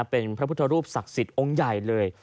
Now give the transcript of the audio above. เป็นพระพุทธรูปศักดิ์สิทธิ์องค์ใหญ่เลย